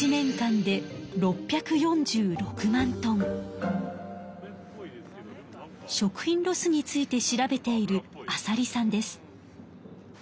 その量は食品ロスについて調べている浅利さんです。